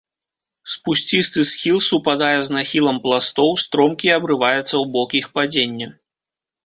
Спусцісты схіл супадае з нахілам пластоў, стромкі абрываецца ў бок іх падзення.